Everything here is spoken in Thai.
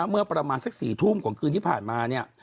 เมื่อประมาณสัก๔ทุ่มของคืนที่ผ่านมาเนี่ย